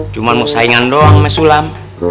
cuman mau saingan doang meh sulam